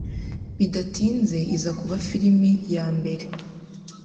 bidatinze iza kuba filimi ya mbere